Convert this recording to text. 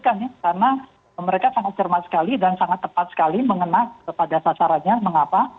karena mereka sangat cermat sekali dan sangat tepat sekali mengenal pada sasarannya mengapa